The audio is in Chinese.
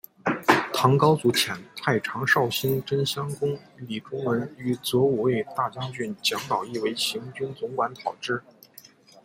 唐高祖遣太常少卿真乡公李仲文与左武卫大将军姜宝谊为行军总管讨之。